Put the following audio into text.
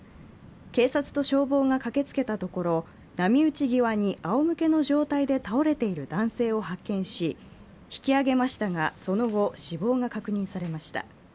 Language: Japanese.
警察と消防が駆けつけたところ、波打ち際にあおむけの状態で倒れている男性を発見し、引き上げましたがその後、死亡が確認されました。